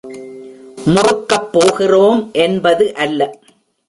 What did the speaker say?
முறுக்கப் போகிறோம் என்பது அல்ல.